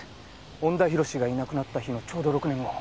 恩田浩がいなくなった日のちょうど６年後。